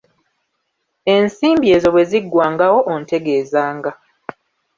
Ensimbi ezo bwe ziggwangawo ontegeezanga.